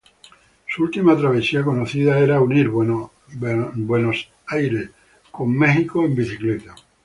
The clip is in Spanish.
Su última travesía conocida era unir Buenos Aires con Nueva York en bicicleta.